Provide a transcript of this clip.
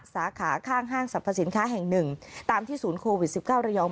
สาขาข้างห้างสรรพสินค้าแห่งหนึ่งตามที่ศูนย์โควิด๑๙ระยอง